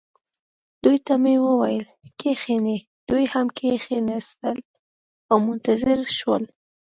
دوی ته مې وویل: کښینئ. دوی هم کښېنستل او منتظر شول.